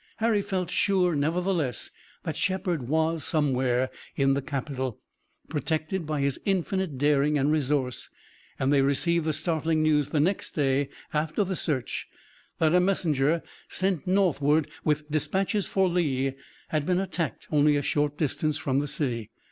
Harry felt sure nevertheless that Shepard was somewhere in the capital, protected by his infinite daring and resource, and they received the startling news the next day after the search that a messenger sent northward with dispatches for Lee had been attacked only a short distance from the city.